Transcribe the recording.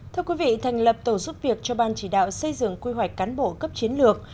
thưa quý vị thành lập tổ giúp việc cho ban chỉ đạo xây dựng quy hoạch cán bộ cấp chiến lược